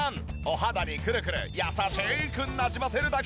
お肌にくるくる優しくなじませるだけ。